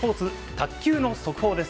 卓球の速報です。